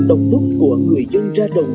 động lúc của người dân ra đồng